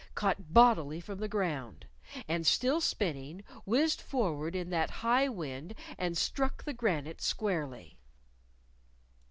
caught bodily from the ground. And still spinning, whizzed forward in that high wind and struck the granite squarely.